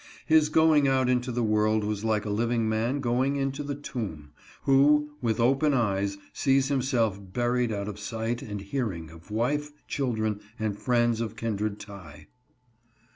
His going out into the world was like a living man going into the tomb, who, with open eyes, sees himself buried out of sight and hearing of wife, children, and friends of kindred tie.